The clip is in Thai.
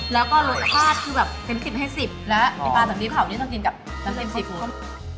แล้วก็รสชาติคือแบบเป็นสิบให้สิบแล้วเนื้อปลาสาบดีเผ่านี้ต้องกินกับน้ำกลิ่นสีฟูน